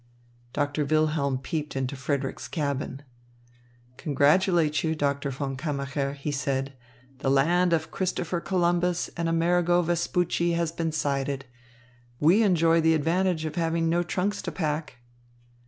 Doctor Wilhelm peeped into Frederick's cabin. "Congratulate you, Doctor von Kammacher," he said. "The land of Christopher Columbus and Amerigo Vespucci has been sighted. We enjoy the advantage of having no trunks to pack."